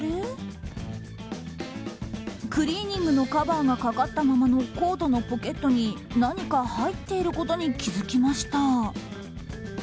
クリーニングのカバーがかかったままのコートのポケットに何か入ってることに気付きました。